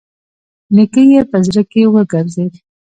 نيکه يې په زړه کې وګرځېد.